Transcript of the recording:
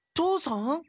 父さん？